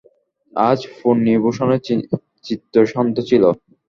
আজ ফণিভূষণের চিত্ত শান্ত ছিল।